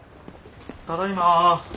ただいま。